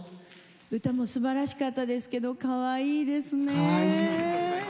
歌もすばらしかったですけどかわいいですね。